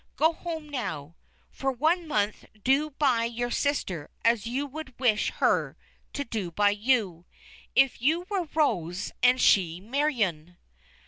Go home now. For one month do by your sister as you would wish her to do by you, if you were Rose and she Marion."